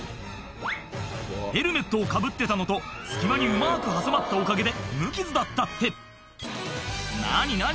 ヘルメットをかぶってたのと隙間にうまく挟まったおかげで無傷だったって何何？